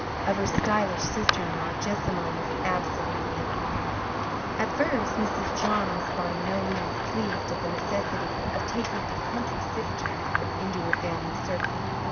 Of her stylish sister in law Jessamine was absolutely in awe. At first Mrs. John was by no means pleased at the necessity of taking a country sister into her family circle.